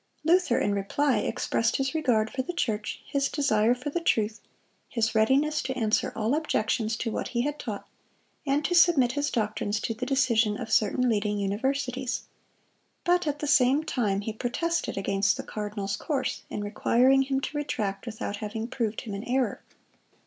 Luther, in reply, expressed his regard for the church, his desire for the truth, his readiness to answer all objections to what he had taught, and to submit his doctrines to the decision of certain leading universities. But at the same time he protested against the cardinal's course in requiring him to retract without having proved him in error.